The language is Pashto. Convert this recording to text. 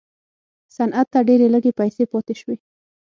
صنعت ته ډېرې لږې پیسې پاتې شوې.